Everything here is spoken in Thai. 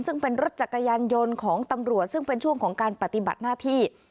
ซึ่งเป็นรถจักรยานยนต์ของตำรวจซึ่งเป็นช่วงของการปฏิบัติหน้าที่